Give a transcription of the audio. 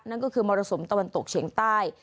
นั่นก็คือมรสุมตะวันตกเฉียงใต้